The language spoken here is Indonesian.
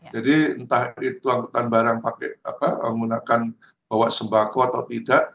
jadi entah itu angkutan barang pakai apa menggunakan bawa sembako atau tidak